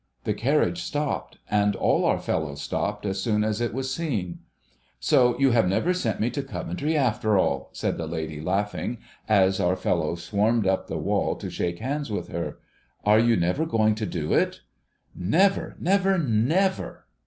The carriage stopped, and all our fellows stopped as soon as it was seen. ' So you have never sent me to Coventry after all !' said the lady, laughing, as our fellows swarmed up the wall to shake hands with her. ' Are you never going to do it ?'' Never ! never ! never